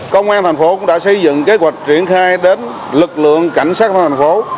công an thành phố đã xây dựng kế hoạch triển khai đến lực lượng cảnh sát thành phố